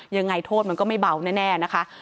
ยังไงโทษมันก็ไม่เบาแน่นะคะ